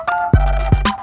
kau mau kemana